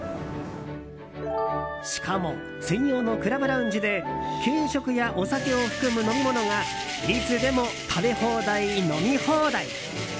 しかも、専用のクラブラウンジで軽食やお酒を含む飲み物がいつでも食べ放題、飲み放題。